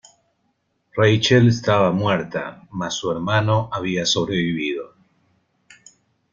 Rachel estaba muerta, mas su hermano había sobrevivido.